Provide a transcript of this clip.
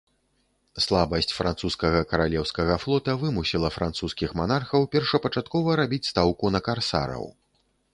Слабасць французскага каралеўскага флота вымусіла французскіх манархаў першапачаткова рабіць стаўку на карсараў.